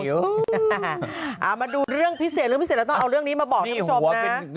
เอามาดูเรื่องพิเศษเรื่องพิเศษเราต้องเอาเรื่องนี้มาบอกคุณผู้ชมนะ